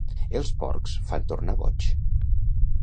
Els porcs fan tornar boig.